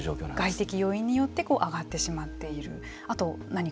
外的要因によって上がってしまっている。